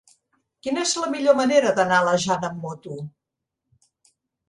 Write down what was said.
Quina és la millor manera d'anar a la Jana amb moto?